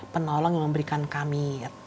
penolong yang memberikan kami